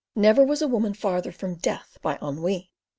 Never was a woman farther from death by ennui.